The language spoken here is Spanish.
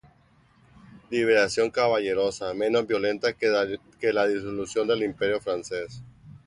liberación caballerosa, menos violenta que la disolución del imperio francés